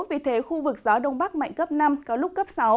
vì thế khu vực gió đông bắc mạnh cấp năm có lúc cấp sáu